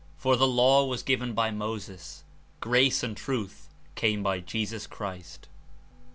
"For the law was given by Moses, grace and truth came by Jesus Chris t.